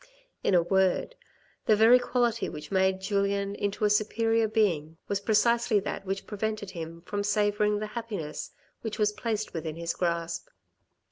In a word, the very quality which made Julien into a superior being was precisely that which prevented him from savouring the happiness which was placed within his grasp.